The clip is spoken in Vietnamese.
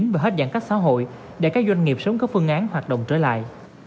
và hết giãn cách xã hội để các doanh nghiệp sống các phương án hoạt động trở lại